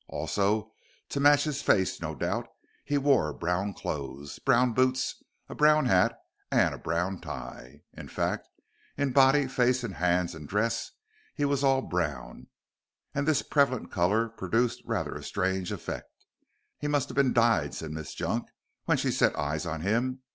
Also, to match his face, no doubt, he wore brown clothes, brown boots, a brown hat and a brown tie in fact, in body, face and hands and dress he was all brown, and this prevalent color produced rather a strange effect. "He must ha' bin dyed," said Miss Junk when she set eyes on him.